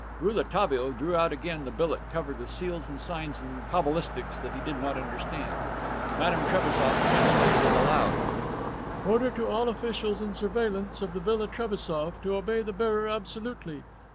Rouletabille drew out again the billet covered with seals and signs and cabalistics that he did not understand. Madame Trebassof translated it aloud: "Order to all officials in surveillance of the Villa Trebassof to obey the bearer absolutely.